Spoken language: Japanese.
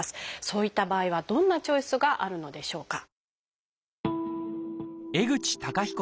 そういった場合はどんなチョイスがあるのでしょうか？